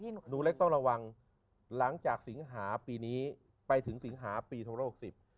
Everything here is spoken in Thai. หนูหนูเล็กต้องระวังหลังจากสิงหาปีนี้ไปถึงสิงหาปีทองรหกสิบ